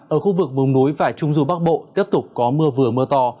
ở khu vực vùng núi và trung du bắc bộ tiếp tục có mưa vừa mưa to